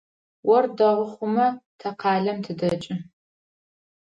Ор дэгъу хъумэ, тэ къалэм тыдэкӏы.